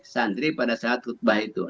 santri pada saat khutbah itu